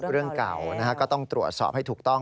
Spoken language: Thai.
เรื่องเก่าก็ต้องตรวจสอบให้ถูกต้อง